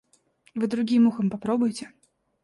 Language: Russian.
Вы другим ухом попробуйте.